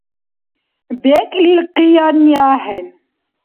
БекӀлил къиянни ахӀен.